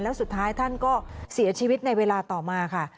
แล้วสุดท้ายท่านก็เสียชีวิตในเวลาต่อมาค่ะ